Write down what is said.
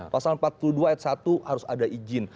pasal empat puluh dua ayat satu harus ada izin